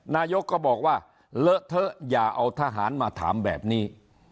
นายกก็บอกว่าเลอะเถอะอย่าเอาทหารมาถามแบบนี้